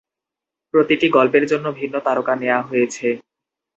প্রতিটি গল্পের জন্য ভিন্ন তারকা নেয়া হয়েছে।